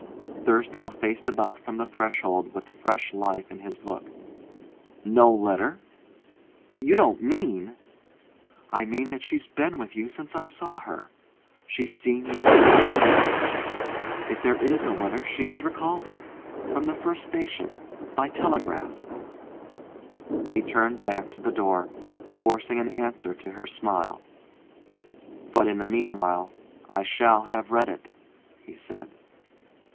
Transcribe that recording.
Thursdale faced about from the threshold with fresh life in his look. "No letter? You don't mean " "I mean that she's been with you since I saw her she's seen you and heard your voice. If there is a letter, she has recalled it from the first station, by telegraph." He turned back to the door, forcing an answer to her smile. "But in the mean while I shall have read it," he said.